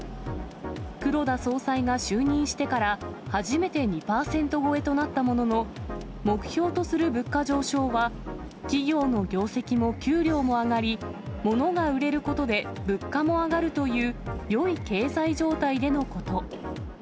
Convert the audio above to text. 黒田総裁が就任してから、初めて２％超えとなったものの、目標とする物価上昇は、企業の業績も給料も上がり、ものが売れることで物価も上がるという、よい経済状態でのこと。